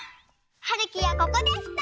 はるきはここでした。